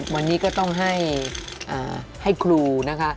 วันนี้ก็ต้องให้ครูนะคะ